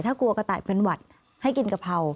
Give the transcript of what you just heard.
ถ้ากลัวกระต่ายเป็นหวัดให้กินกะเพรา